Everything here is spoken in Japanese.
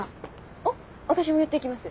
あっ私も寄っていきます。